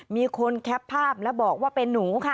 มีคนแคปภาพแล้วบอกว่าเป็นหนูค่ะ